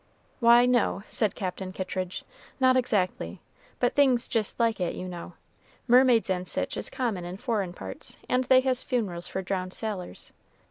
"Why, no," said Captain Kittridge, "not exactly; but things jist like it, you know. Mermaids and sich is common in foreign parts, and they has funerals for drowned sailors.